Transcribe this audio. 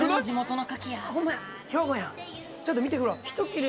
ちょっと見てくるわ。